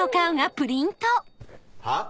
はっ？